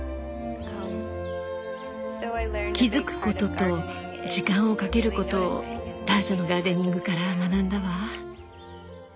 「気付くこと」と「時間をかけること」をターシャのガーデニングから学んだわ。